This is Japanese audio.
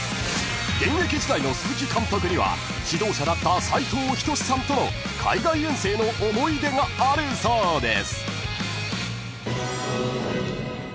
［現役時代の鈴木監督には指導者だった斉藤仁さんとの海外遠征の思い出があるそうです］